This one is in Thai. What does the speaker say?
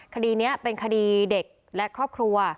คดีนี้เป็นคดีเด็กและครอบครัว